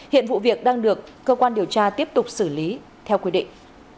hiện vụ việc đang được cơ quan điều tra tiếp tục xử lý theo quy định